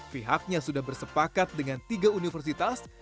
pihaknya sudah bersepakat dengan tiga universitas